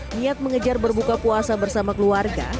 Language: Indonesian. niat mengejar berbuka puasa bersama keluarga